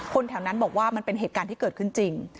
แถวนั้นบอกว่ามันเป็นเหตุการณ์ที่เกิดขึ้นจริง